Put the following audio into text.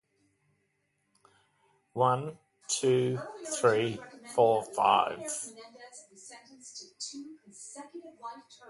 He was buried in the cemetery at Cologne Cathedral.